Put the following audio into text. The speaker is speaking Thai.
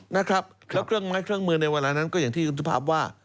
นะครับแล้วเครื่องมือในเวลานั้นก็อย่างที่อุทธภาพว่า